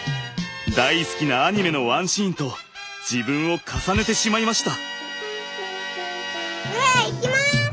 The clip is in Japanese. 大好きなアニメのワンシーンと自分を重ねてしまいました。